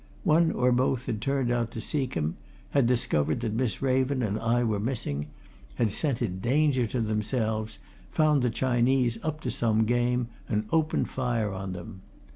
One or both had turned out to seek him; had discovered that Miss Raven and I were missing; had scented danger to themselves, found the Chinese up to some game, and opened fire on them.